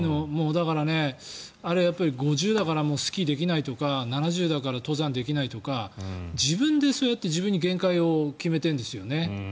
だから、５０だからもうスキーできないとか７０だから登山できないとか自分でそうやって、自分に限界を決めてるんですよね。